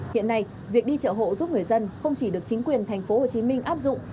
hiện nay việc đi chợ hộ giúp người dân không chỉ được chính quyền tp hcm áp dụng